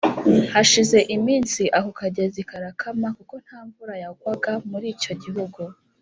Hashize iminsi ako kagezi karakama kuko nta mvura yagwaga muri icyo gihugu